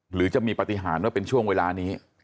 หรือจะมีปฏิหารว่าเป็นช่วงเวลานี้